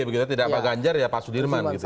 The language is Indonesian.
begitu tidak pak ganjar ya pak sudirman